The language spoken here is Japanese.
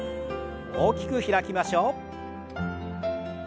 大きく開きましょう。